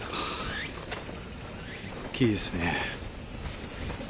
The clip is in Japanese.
大きいですね。